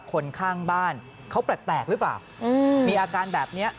คนข้างบ้านเขาแปลกหรือเปล่ามีอาการแบบนี้